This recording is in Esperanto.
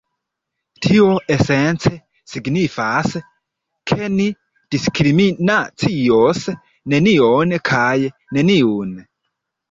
Tio esence signifas, ke ni diskriminacios nenion kaj neniun.